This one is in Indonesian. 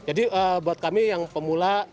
jadi buat kami yang pemula